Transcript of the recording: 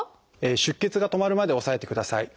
出血が止まるまで押さえてください。